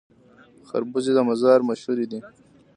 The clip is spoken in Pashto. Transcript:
خربوزې د مزار مشهورې دي